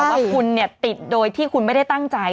แต่ว่าคุณเนี่ยติดโดยที่คุณไม่ได้ตั้งใจ